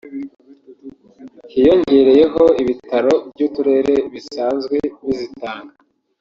hiyongereyeho ibitaro by’uturere bisanzwe bizitanga